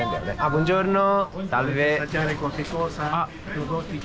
ボンジョルノ！